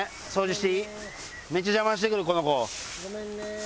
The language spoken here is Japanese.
めっちゃ邪魔してくるこの子。